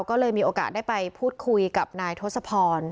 ก็เลยมีโอกาสได้ไปพูดคุยกับนายทศพร